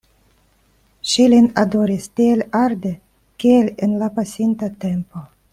Ŝi lin adoris tiel arde kiel en la pasinta tempo.